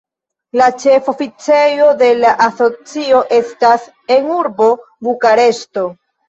La ĉefa oficejo de la asocio estas en urbo Bukareŝto.